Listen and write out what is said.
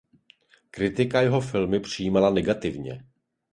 Kritika jeho filmy přijímala negativně.